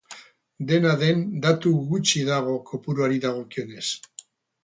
Dena den datu gutxi dago kopuruari dagokionez.